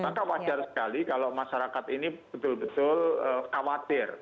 maka wajar sekali kalau masyarakat ini betul betul khawatir